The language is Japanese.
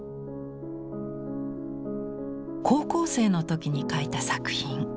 高校生の時に描いた作品。